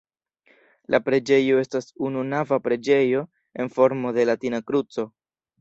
La preĝejo estas ununava preĝejo en formo de latina kruco.